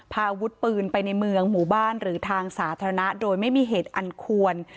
พาอาวุธปืนไปในเมืองหมู่บ้านหรือทางสาธารณะโดยไม่มีเหตุอันควร